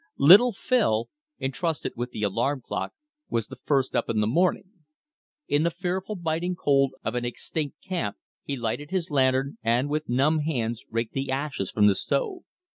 Little Phil, entrusted with the alarm clock, was the first up in the morning In the fearful biting cold of an extinct camp, he lighted his lantern and with numb hands raked the ashes from the stove.